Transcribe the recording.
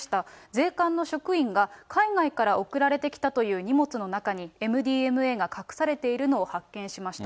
税関の職員が、海外から送られてきたという荷物の中に、ＭＤＭＡが隠されているのを発見しました。